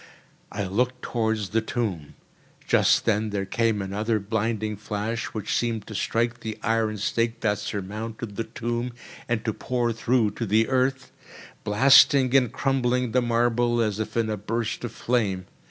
I looked towards the tomb. Just then there came another blinding flash, which seemed to strike the iron stake that surmounted the tomb and to pour through to the earth, blasting and crumbling the marble, as in a burst of flame.